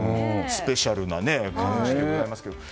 スペシャルな贈り物でございますけれども。